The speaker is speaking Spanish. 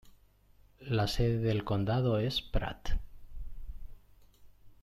La sede del condado es Pratt.